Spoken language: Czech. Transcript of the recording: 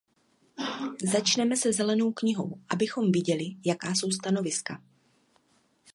Začneme se zelenou knihou, abychom viděli, jaká jsou stanoviska.